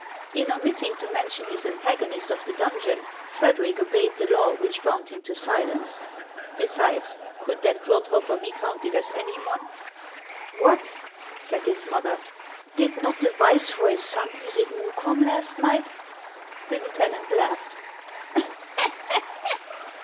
" In omitting to mention his antagonist of the donjon, Frederic obeyed the law which bound him to silence ; be sides, could that clodhopper be counted as any one ? HANS OF ICELAND. 119 " What !" said his mother. " Did not the viceroy's son visit Munkholm last night ?" The lieutenant laughed.